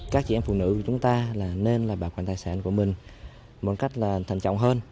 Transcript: các chị em phụ nữ của chúng ta nên bảo quản tài sản của mình một cách thận trọng hơn